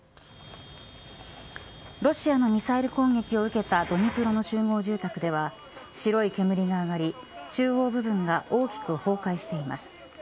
ロシアのミサイル攻撃を受けたドニプロの集合住宅では白い煙が上がり中央部分が大きく崩壊しています。